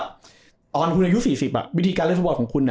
ตอนคุณอายุ๔๐อะวิธีการเล่นสมบัติของคุณ